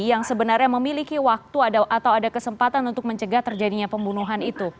yang sebenarnya memiliki waktu atau ada kesempatan untuk mencegah terjadinya pembunuhan itu